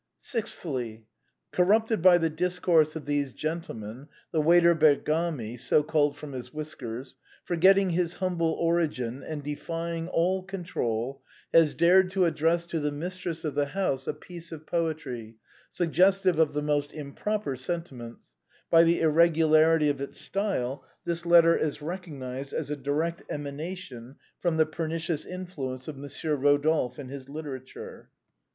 " Sixthly. Corrupted by the discourse of these gentle men, the waiter Bergami (so called from his whiskers), forgetting his humble origin and defying all control, has 126 THE BOHEMIANS OF THE LATIN QUARTER. dared to address to the mistress of the house a piece of poetry suggestive of the most improper sentiments ; by the irregularity of its style, this letter is recognized as a direct emanation from the pernicious influence of Mon sieur Eodolphe and his literature.